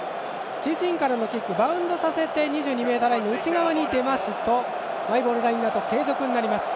自陣からのキックをバウンドさせ２２ｍラインの内側に出ますとマイボールラインアウト継続になります。